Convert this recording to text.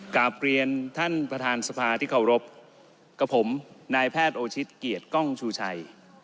กลับเรียนท่านประธานสภาที่เคารพกับผมนายแพทย์โอชิตเกียรติกล้องชูชัย